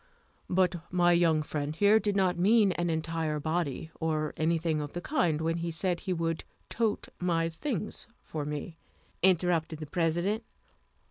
"But my young friend here did not mean an entire body, or anything of the kind, when he said he would tote my things for me," interrupted the President.